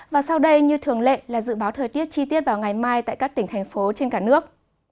và sau đây như thường lệ là dự báo thời tiết chi tiết vào ngày mai tại các tỉnh thành phố trên cả nước